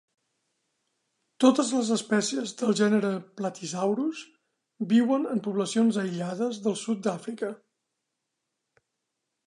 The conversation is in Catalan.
Totes les espècies del gènere "Platysaurus" viuen en poblacions aïllades del sud d'Àfrica.